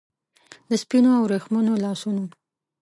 د سپینو او وریښمینو لاسونو